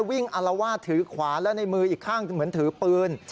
วิ่งอลาวาถือขวานแล้วในมืออีกข้างเหมือนถือปืน